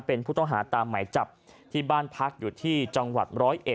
เป็นผู้ต้องหาตามหมายจับที่บ้านพักอยู่ที่จังหวัด๑๐๑